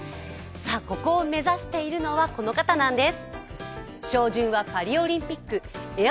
ここを目指しているのはこの方なんです。